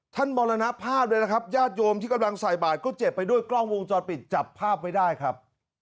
มรณภาพด้วยนะครับญาติโยมที่กำลังใส่บาทก็เจ็บไปด้วยกล้องวงจรปิดจับภาพไว้ได้ครับ